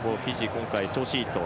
今回、調子いいと。